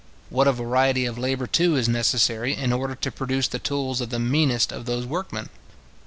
What a variety of labour, too, is necessary in order to produce the tools of the meanest of those workmen!